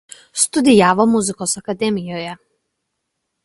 Studijavo muzikos akademijoje.